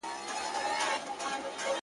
پر لړمون مي چړې گرځي زړه مي شين دئ -